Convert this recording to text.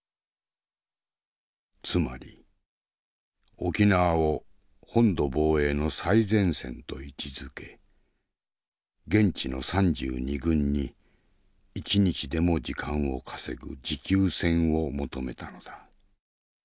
つまり沖縄を本土防衛の最前線と位置づけ現地の３２軍に一日でも時間を稼ぐ持久戦を求めたのだ。